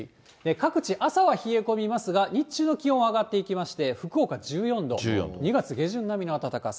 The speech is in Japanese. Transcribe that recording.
各地、朝は冷え込みますが、日中の気温上がっていきまして、福岡１４度、２月下旬並みの暖かさ。